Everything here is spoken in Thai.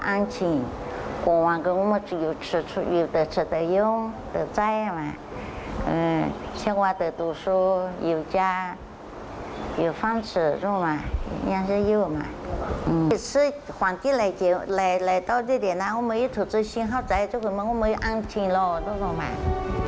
อาจจะชิงเข้าใจจุดมันก็ไม่อ้างชิงหรอก